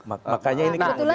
makanya ini kebetulan